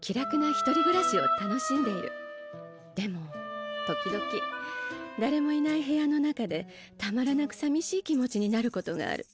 でも時々だれもいない部屋の中でたまらなくさみしい気持ちになることがある。